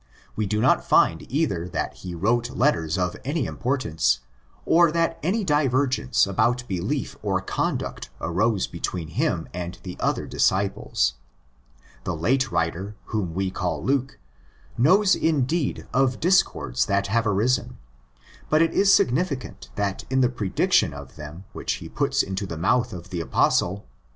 We do not find either that he wrote letters of any importance, or that any divergence about belief or conduct arose PAUL ACCORDING TO ACTS 101 between him and the other disciples. The late writer whom we call Luke, knows indeed of discords that have arisen; but it is significant that in the predic tion of them which he puts into the mouth of the Apostle (xx.